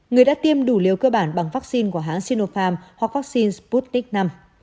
người đã tiêm đủ liều cơ bản bằng vaccine của hãng sinopharm hoặc vaccine sputnik v